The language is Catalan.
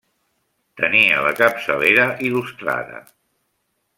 Tenia la capçalera il·lustrada.